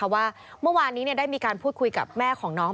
ว่าเมื่อวานนี้ได้มีการพูดคุยกับแม่ของน้อง